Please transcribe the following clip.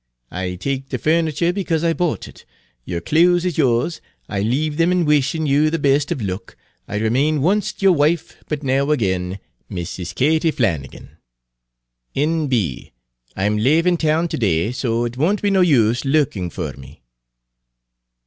I take the furnacher because I bought it yer close is yors I leave them and wishin' yer the best of luck I remane oncet yer wife but now agin "MRS. KATIE FLANNIGAN. "N.B. I'm lavin town terday so it won't be no use lookin' fer me."